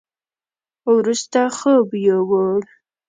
وروسته خوب يوووړ.